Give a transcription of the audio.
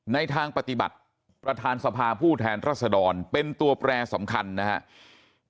ในทางปฏิบัติประธานสภาผู้แทนรัศดรเป็นตัวแปรสำคัญนะครับ